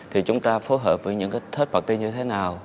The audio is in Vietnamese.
thì chúng ta phối hợp với những cái thết bạc ti như thế nào